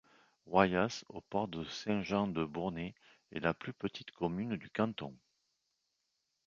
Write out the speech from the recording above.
Royas, aux portes de Saint-Jean-de-Bournay, est la plus petite commune du canton.